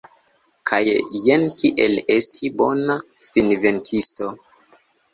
Kaj jen kiel esti bona finvenkisto.